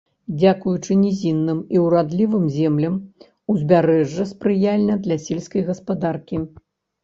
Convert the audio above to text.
Дзякуючы нізінным і урадлівым землям, узбярэжжа спрыяльна для сельскай гаспадаркі.